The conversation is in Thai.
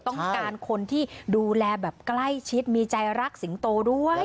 ต้องการคนที่ดูแลแบบใกล้ชิดมีใจรักสิงโตด้วย